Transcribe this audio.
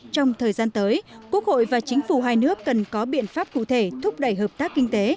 trong thời gian tới quốc hội và chính phủ hai nước cần có biện pháp cụ thể thúc đẩy hợp tác kinh tế